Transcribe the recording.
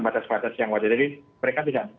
batas batas yang wajar jadi mereka tidak